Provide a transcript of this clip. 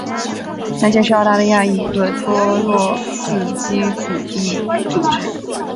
团结是澳大利亚的一个托洛茨基主义组织。